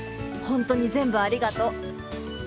本当に全部ありがとう。